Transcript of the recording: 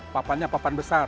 papannya papan besar